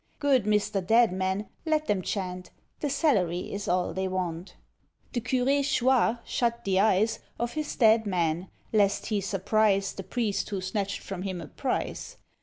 Good Mr. Dead man, let them chant, The salary is all they want. The Curé Chouart shut the eyes Of his dead man, lest he surprise The priest who snatched from him a prize.